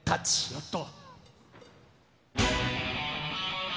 やった。